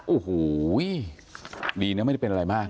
โอ้โหดีนะไม่ได้เป็นอะไรมาก